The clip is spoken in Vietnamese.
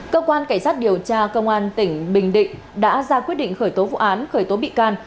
cơ quan cảnh sát điều tra công an tỉnh bình định đã ra quyết định khởi tố vụ án khởi tố bị can